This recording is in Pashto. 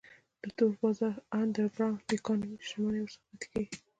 د تور بازار Underground Economy شتمنۍ ورڅخه پاتې کیږي.